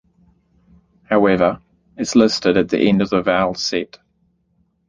However, it is listed at the end of the vowel set.